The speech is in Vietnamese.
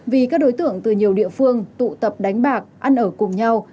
vì các đối tượng từ nhiều địa phương tụ tập đánh bạc ăn ở cùng nhau